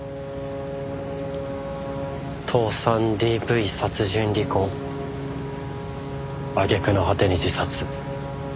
倒産ＤＶ殺人離婚揚げ句の果てに自殺。